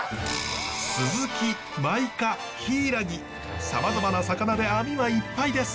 スズキマイカヒイラギさまざまな魚で網はいっぱいです。